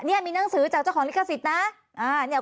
นี่มีหนังสือจากเจ้าของลิขสิทธิ์นะ